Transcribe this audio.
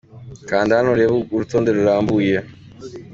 Kanda hano urebe uru rutonde rurambuye.